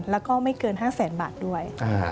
แล้วก็ไม่เกิน๕แสนบาทด้วย